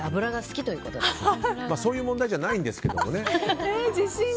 そういう問題じゃないんですけどね。